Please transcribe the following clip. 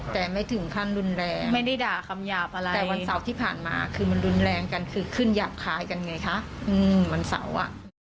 แต่ไม่ถึงขั้นรุนแรงแต่วันเสาร์ที่ผ่านมาคือมันรุนแรงกันคือขึ้นหยาบขายกันไงคะวันเสาร์